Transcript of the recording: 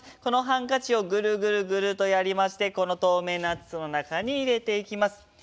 このハンカチをぐるぐるぐるとやりましてこの透明な筒の中に入れていきます。